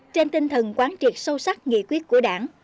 trên tinh thần quán triệt sâu sắc nghị quyết của đảng